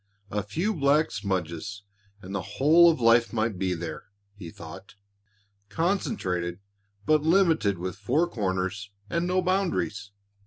"A few black smudges and the whole of life might be there," he thought, "concentrated but limited with four corners and no boundaries."